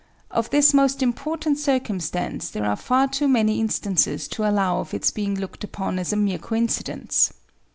Of this most important circumstance there are far too many instances to allow of its being looked upon as a mere coincidence.